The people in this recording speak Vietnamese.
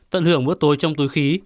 tận hưởng bữa tối trong túi khí